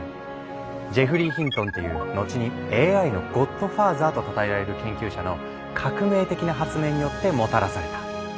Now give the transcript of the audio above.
ジェフリー・ヒントンっていう後に「ＡＩのゴッド・ファーザー」とたたえられる研究者の革命的な発明によってもたらされた。